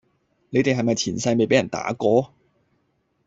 你地係咪前世未比人打過?